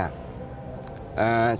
sungguh pandemi ini